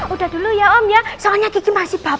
udah dulu ya om ya soalnya gigi masih bapak